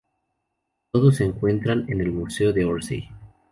Todos se encuentran en el Museo de Orsay.